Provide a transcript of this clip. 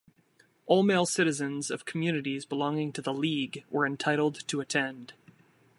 All male citizens of communities belonging to the League were entitled to attend.